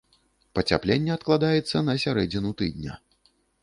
Пацяпленне адкладаецца на сярэдзіну тыдня.